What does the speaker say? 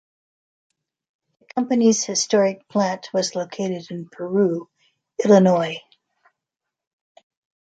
The company's historic plant was located in Peru, Illinois.